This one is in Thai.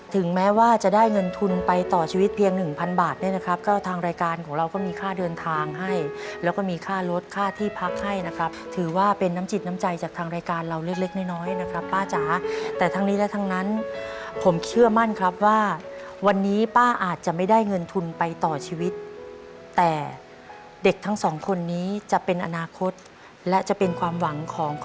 ถึงแม้ว่าจะได้เงินทุนไปต่อชีวิตเพียงหนึ่งพันบาทเนี่ยนะครับก็ทางรายการของเราก็มีค่าเดินทางให้แล้วก็มีค่ารถค่าที่พักให้นะครับถือว่าเป็นน้ำจิตน้ำใจจากทางรายการเราเล็กเล็กน้อยนะครับป้าจ๋าแต่ทั้งนี้และทั้งนั้นผมเชื่อมั่นครับว่าวันนี้ป้าอาจจะไม่ได้เงินทุนไปต่อชีวิตแต่เด็กทั้งสองคนนี้จะเป็นอนาคตและจะเป็นความหวังของข้อ